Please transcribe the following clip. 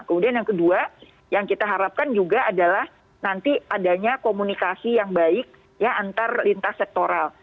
kemudian yang kedua yang kita harapkan juga adalah nanti adanya komunikasi yang baik ya antar lintas sektoral